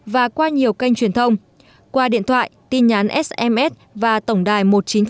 và qua nhiều kênh truyền thông qua điện thoại tin nhắn sms và tổng đài một nghìn chín trăm linh một nghìn tám trăm tám mươi sáu